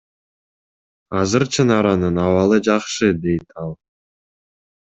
Азыр Чынаранын абалы жакшы, — дейт ал.